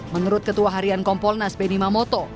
menurut ketua harian kompolnas benny mamoto